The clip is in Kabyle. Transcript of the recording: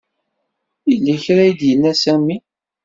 Yella kra ay d-yenna Sami.